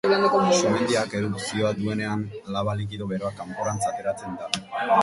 Sumendiak erupzioa duenean, laba likido beroa kanporantz ateratzen da.